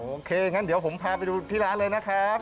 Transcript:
โอเคอย่างนั้นเดี๋ยวผมพาไปดูที่ร้านเลยนะครับ